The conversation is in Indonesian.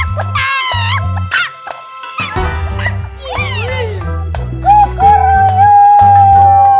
putak putak putak